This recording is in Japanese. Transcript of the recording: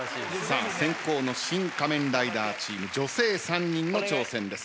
先攻のシン・仮面ライダーチーム女性３人の挑戦です。